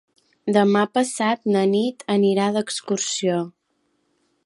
Demà passat na Nit anirà d'excursió.